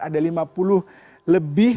ada lima puluh lebih